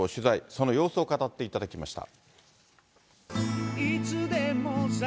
その様子を語っていただきました。